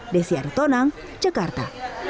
desy arutonang jakarta